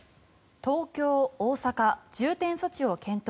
東京・大阪重点措置を検討